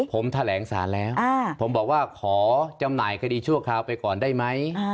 ผมแถลงสารแล้วผมบอกว่าขอจำหน่ายคดีชั่วคราวไปก่อนได้ไหม